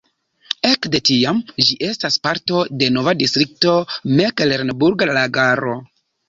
Ekde tiam ĝi estas parto de nova distrikto Meklenburga Lagaro.